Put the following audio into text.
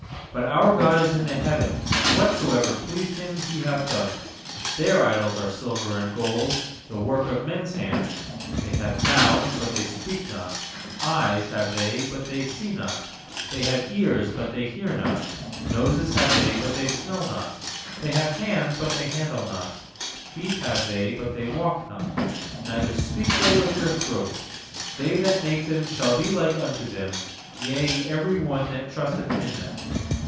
3But our God is in the heavens; Whatsoever pleased Him He hath done. 4Their idols are silver and gold, The work of men's hands. sThey have mouths, but they speak not; Eyes have they, but they see not; 6They have ears, but they hear not; Noses have they, but they smell not; 7They have hands, but they handle not; Feet have they, but they walk not; Neither speak they With their throat. They that make them shall be like unto them; Yea, every one that trusteth in them.